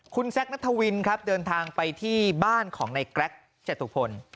คุณแซคนัทวินครับเดินทางไปที่บ้านของในแกรกจตุพล